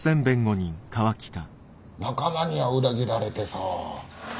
仲間には裏切られてさ。